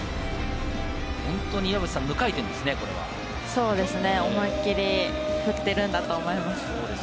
岩渕さん、無回転ですね、これは。思い切り振っているんだと思います。